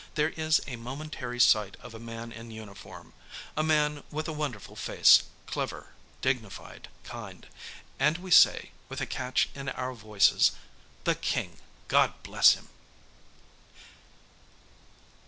There is a momentary sight of a man in uniform a man with a wonderful face, clever, dignified, kind. And we say, with a catch in our voices: 'THE KING GOD BLESS HIM!'